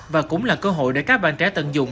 và cũng là cơ hội để các bạn trẻ tận dụng